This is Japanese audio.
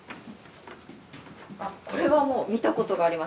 これはもう見たことがあります。